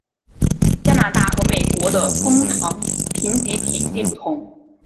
加拿大和美国的枫糖评级体系不同。